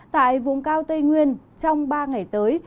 tại vùng cao tây nguyên trong ba ngày tới